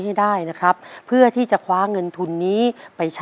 ให้ได้นะครับเพื่อที่จะคว้าเงินทุนนี้ไปใช้